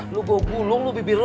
lu gua gulung lu bibir lu